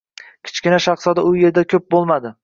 Kichkina shahzoda u yerda ko‘p bo‘lmadi